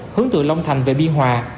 hướng từ long thành về biên hòa